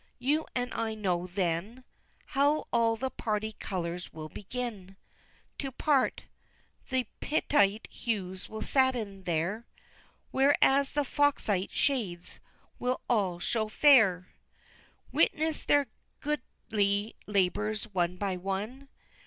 You and I know, then, How all the party colors will begin To part the _Pit_tite hues will sadden there, Whereas the Foxite shades will all show fair! VI. Witness their goodly labors one by one!